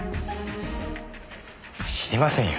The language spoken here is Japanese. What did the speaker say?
知りませんよ。